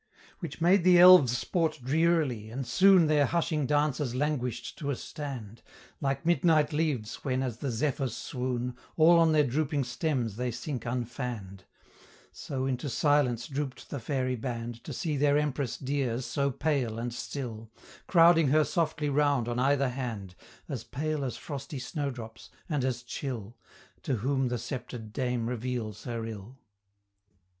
Which made the elves sport drearily, and soon Their hushing dances languish'd to a stand, Like midnight leaves, when, as the Zephyrs swoon, All on their drooping stems they sink unfann'd, So into silence droop'd the fairy band, To see their empress dear so pale and still, Crowding her softly round on either hand, As pale as frosty snowdrops, and as chill, To whom the sceptred dame reveals her ill.